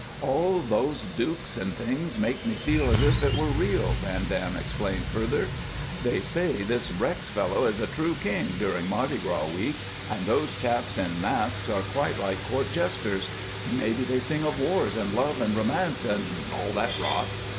"All those dukes and things make me feel as if it were real," Van Dam explained further. "They say this Rex fellow is a true king during Mardi Gras week, and those chaps in masks are quite like court jesters. Maybe they sing of wars and love and romance and all that rot."